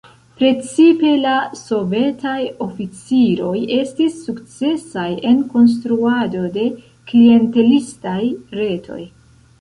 Precipe la sovetaj oficiroj estis sukcesaj en konstruado de klientelistaj retoj.